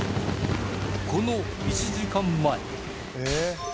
この１時間前